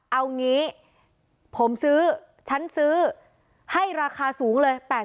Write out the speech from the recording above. เอางี้ผมซื้อฉันซื้อให้ราคาสูงเลย